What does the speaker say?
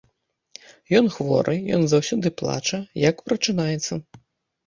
Ён хворы, ён заўсёды плача, як прачынаецца.